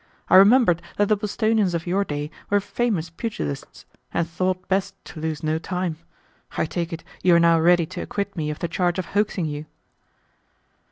I remembered that the Bostonians of your day were famous pugilists, and thought best to lose no time. I take it you are now ready to acquit me of the charge of hoaxing you."